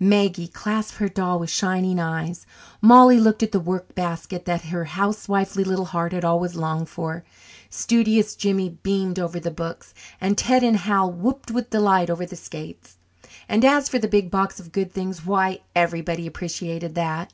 Maggie clasped her doll with shining eyes, Mollie looked at the workbasket that her housewifely little heart had always longed for, studious Jimmy beamed over the books, and Ted and Hal whooped with delight over the skates. And as for the big box of good things, why, everybody appreciated that.